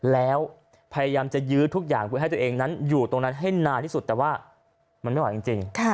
แล้วพยายามจะยื้อทุกอย่างเพื่อให้ตัวเองนั้นอยู่ตรงนั้นให้นานที่สุดแต่ว่ามันไม่ไหวจริง